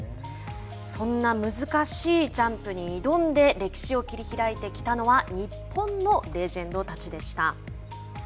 そんな難しいジャンプに挑んで歴史を切り開いてきたのは日本のレジェンドたちでした。